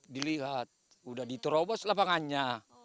dilihat udah diterobos lapangannya